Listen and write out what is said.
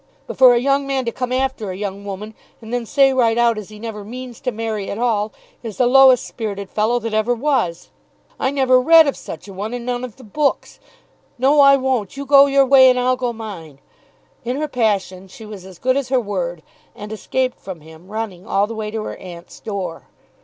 But for a young man to come after a young woman, and then say, right out, as he never means to marry at all, is the lowest spirited fellow that ever was. I never read of such a one in none of the books. No, I won't. You go your way, and I'll go mine." In her passion she was as good as her word, and escaped from him, running all the way to her aunt's door.